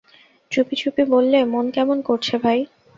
চুপি চুপি বললে, মন কেমন করছে ভাই?